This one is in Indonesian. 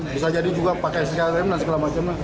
bisa jadi juga pakai sikm dan segala macam